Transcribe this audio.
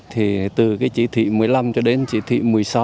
thì từ cái chỉ thị một mươi năm cho đến chỉ thị một mươi sáu